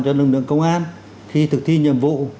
cho lực lượng công an khi thực thi nhiệm vụ